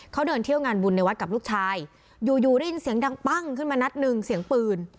เขาเดินเที่ยวงานบุญในวัดกับลูกชายอยู่อยู่ได้ยินเสียงดังปั้งขึ้นมานัดหนึ่งเสียงปืน